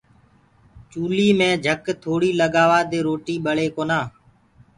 چوليٚ مي جھَڪ ٿوڙيٚ لگآوآدي روٽيٚ ٻݪي ڪونآ